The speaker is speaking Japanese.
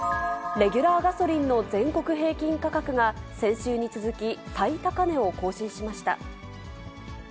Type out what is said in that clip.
レギュラーガソリンの全国平均価格が先週に続き、最高値を更新しました。